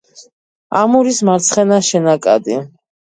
ამურის მარცხენა შენაკადი.